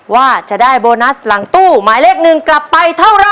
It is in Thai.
ว่าจะได้โบนัสหลังตู้หมายเลขหนึ่งกลับไปเท่าไร